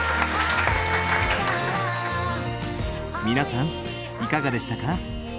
皆さんいかがでしたか？